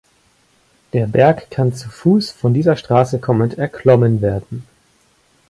Der Berg kann zu Fuß von dieser Straße kommend erklommen werden.